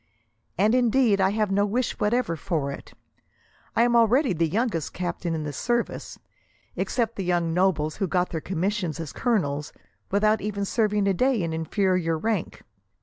And, indeed, I have no wish whatever for it. I am already the youngest captain in the service, except the young nobles who got their commissions as colonels, without even serving a day in inferior rank.